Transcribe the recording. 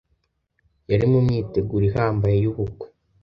yari mu myiteguro ihambaye y’ubukwe